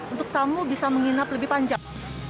untuk tamu bisa menginap lebih panjang